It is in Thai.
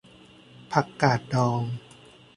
ผักกาดดอง